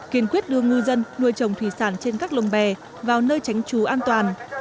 kiên quyết đưa ngư dân nuôi trồng thủy sản trên các lồng bè vào nơi tránh trú an toàn